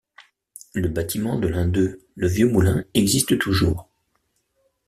Le bâtiment de l'un d'eux, le Vieux-Moulin, existe toujours.